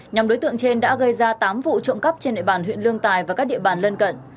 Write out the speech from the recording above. nhóm đối tượng trên đã gây ra tám vụ trộm cắp trên nệ bàn huyện lương tài và các địa bàn lân cận